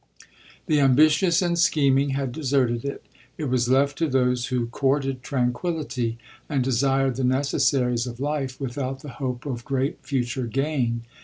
The ambitious and scheming had deserted it — it was left to those who courted tranquillity, and desired the ne cessaries of life without the hope of great future gain.